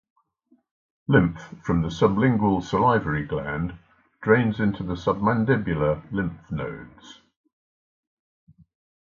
Lymph from the sublingual salivary gland drains into the submandibular lymph nodes.